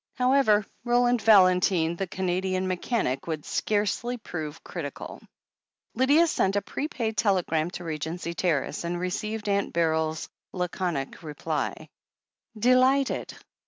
However, Roland Valentine, the Canadian mechanic, would scarcely prove critical. Lydia sent a prepaid telegram to Regency Terrace, and received Aimt Beryl's laconic reply: "Delighted."